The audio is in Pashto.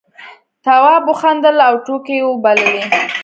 تواب وخندل او ټوکې یې وبللې.